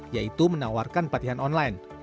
yaitu menawarkan pelatihan online